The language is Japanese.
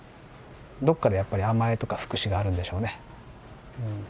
どこかでやっぱり甘えとか福祉があるんでしょうね。